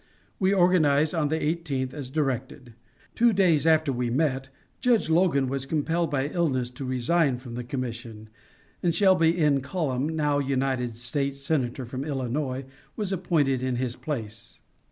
We organized on the 18th, as directed. Two days after we met Judge Logan was compelled by illness to resign from the commission, and Shelby M. Cullom, now United States senator from Illinois, was appointed in his place.